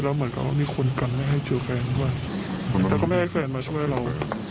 แล้วเหมือนกับว่ามีคนกันไม่ให้เจอแฟนด้วยแล้วก็ไม่ให้แฟนมาช่วยเรา